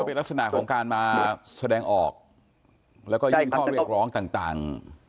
เป็นลักษณะของการมาแสดงออกแล้วก็ยื่นข้อเรียกร้องต่าง